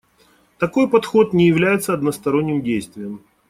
Такой подход не является односторонним действием.